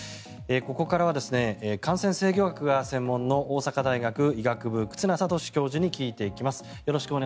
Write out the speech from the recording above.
ここからは感染制御学が専門の大阪大学医学部忽那賢志教授に聞いていきます。